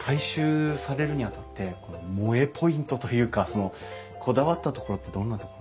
改修されるにあたって萌えポイントというかこだわったところってどんなところなんですかね？